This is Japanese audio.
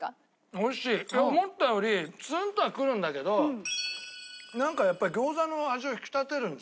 で思ったよりツーンとはくるんだけどなんかやっぱり餃子の味を引き立てるんですね。